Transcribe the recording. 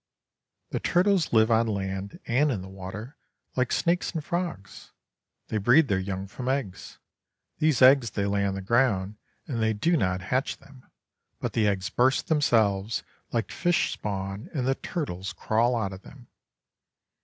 The turtles live on land and in the water, like snakes and frogs. They breed their young from eggs. These eggs they lay on the ground, and they do not hatch them, but the eggs burst themselves, like fish spawn, and the turtles crawl out of them.